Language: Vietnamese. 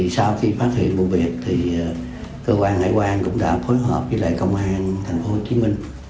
sau khi phát hiện vụ việc cơ quan hải quan cũng đã phối hợp với công an tp hcm